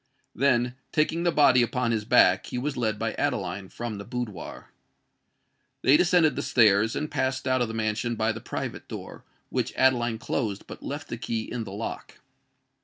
Then, taking the body upon his back, he was led by Adeline from the boudoir. They descended the stairs, and passed out of the mansion by the private door, which Adeline closed but left the key in the lock.